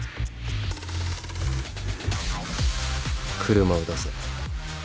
車を出せ。